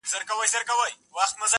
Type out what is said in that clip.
مه مو شمېره پیره په نوبت کي د رندانو.!